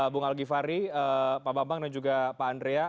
bung al gifari pak bambang dan juga pak andrea